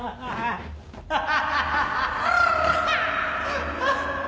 アハハハハ！